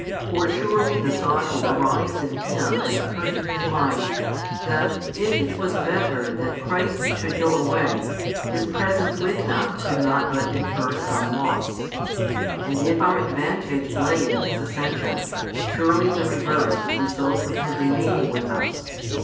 For surely the thought will arise in him and occur to his mind, that, if it was better that Christ should go away, His Presence with them could not but infer some loss. And if our advantage lay in His Ascension, surely the reverse would result from His remaining with us.